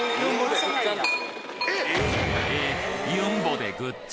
えっ！